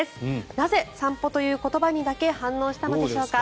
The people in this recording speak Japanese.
なぜ、散歩という言葉にだけ反応したのでしょうか。